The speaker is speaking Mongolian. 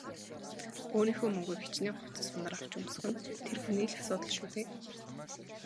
Өөрийнхөө мөнгөөр хэчнээн хувцас хунар авч өмсөх нь тэр хүний л асуудал шүү дээ.